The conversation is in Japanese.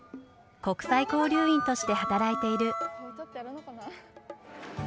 国際交流員として働いている。